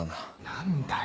何だよ。